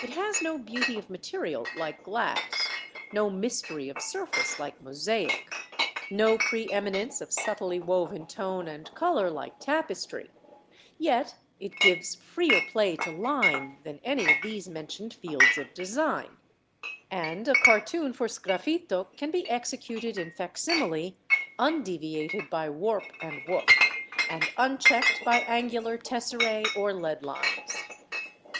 It has no beauty of material like glass, no mystery of surface like mosaic, no pre eminence of subtly woven tone and colour like tapestry; yet it gives freer play to line than any of these mentioned fields of design, and a cartoon for sgraffito can be executed in facsimile, undeviated by warp and woof, and unchecked by angular tesseræ or lead lines.